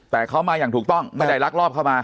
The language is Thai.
แต่เขามาอย่างถูกต้องไม่ได้ลักลอบเข้ามา